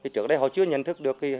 trước đây họ chưa nhận thức được